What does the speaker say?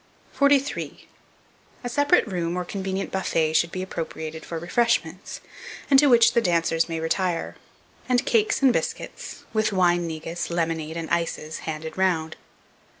43. A SEPARATE ROOM OR CONVENIENT BUFFET should be appropriated for refreshments, and to which the dancers may retire; and cakes and biscuits, with wine negus, lemonade, and ices, handed round.